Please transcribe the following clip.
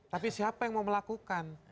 tapi siapa yang mau melakukan